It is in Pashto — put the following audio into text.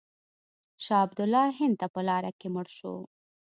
شاه عبدالله هند ته په لاره کې مړ شو.